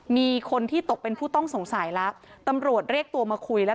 มีคนที่ตกเป็นผู้ต้องสงสัยแล้วตำรวจเรียกตัวมาคุยแล้ว